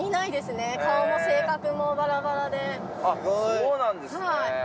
そうなんですね。